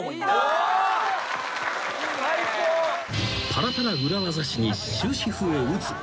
［パラパラ裏技史に終止符を打つ］